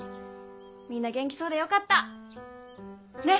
みんな元気そうでよかったねっ。